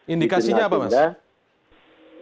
indikasinya apa mas